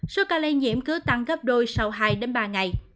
số ca lây nhiễm cứ tăng gấp đôi sau hai ba ngày